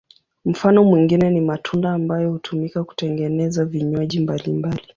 Mfano mwingine ni matunda ambayo hutumika kutengeneza vinywaji mbalimbali.